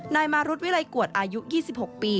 นายมารุธวิลัยกวดอายุ๒๖ปี